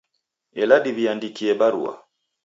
Ela diwiandikie barua